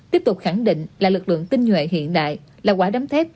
tiếp tục khẳng định là lực lượng tinh nhuệ hiện đại là quả đắm thép